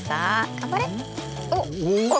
頑張れ！